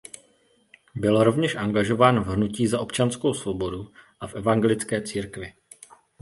Byl rovněž angažován v Hnutí za občanskou svobodu a v evangelické církvi.